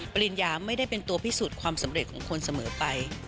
ปริญญาไม่ได้เป็นตัวพิสูจน์ความสำเร็จของคนเสมอไป